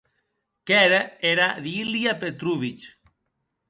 Qu’ère era d’Ilia Petrovitch.